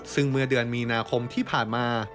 ซึ่งเมื่อเดือนมีนาคมที่ผ่านมา